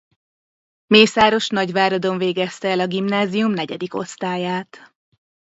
Mészáros Nagyváradon végezte el a gimnázium negyedik osztályát.